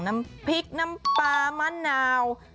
น้ำพริกน้ำปลามะนาว